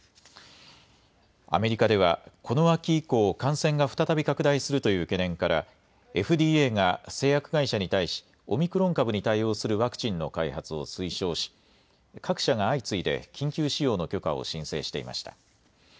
アメリカではこの秋以降、感染が再び拡大するという懸念からＦＤＡが製薬会社に対しオミクロン株に対応するワクチンの開発を推奨し各社が相次いで緊急使用の許可を申請していました。